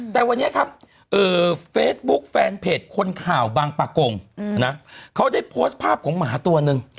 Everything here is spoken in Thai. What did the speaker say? แต่วันนี้ครับเฟซบุ๊คแฟนเพจคนข่าวบางประกงนะเขาได้โพสต์ภาพของหมาตัวหนึ่ง